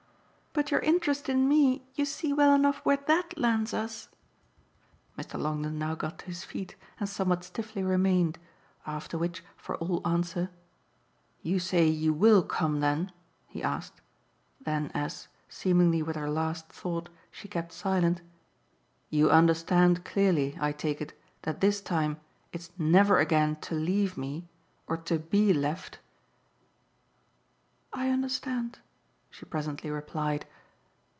"But your interest in me you see well enough where THAT lands us." Mr. Longdon now got to his feet and somewhat stiffly remained; after which, for all answer, "You say you WILL come then?" he asked. Then as seemingly with her last thought she kept silent: "You understand clearly, I take it, that this time it's never again to leave me or to BE left." "I understand," she presently replied.